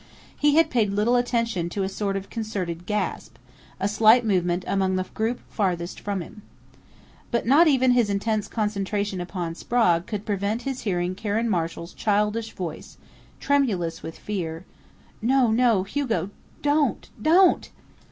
He had paid little attention to a sort of concerted gasp, a slight movement among the group farthest from him. But not even his intense concentration upon Sprague could prevent his hearing Karen Marshall's childish voice, tremulous with fear: "No, no, Hugo! Don't don't!"